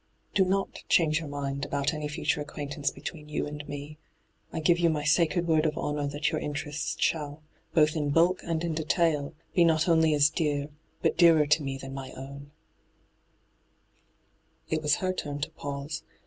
Do not change your mind about any future acquaintance between you and me. I give you my sacred word of honour that your interests shall, both in bulk and in detail, be not only as dear, bat dearer to me than my own t' It was her turn to pause.